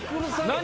何？